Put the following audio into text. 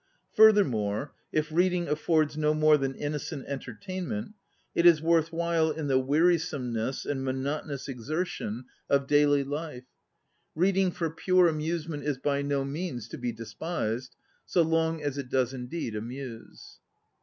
Furthermore, if reading affords no more than innocent entertain ment, it is worth while in the weari someness and monotonous exertion 16 ON READING of daily life. Reading for pure amusement is by no means to be despised, ŌĆö so long as it does indeed amuse.